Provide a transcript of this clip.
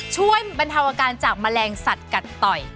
ช่วยบรรทาวะการจากแมลงสัตว์กัดต่อย